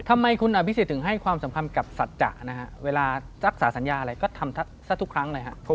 ทำไมคุณอภิษฎถึงให้ความสำคัญกับสัจจะนะฮะเวลารักษาสัญญาอะไรก็ทำซะทุกครั้งเลยครับ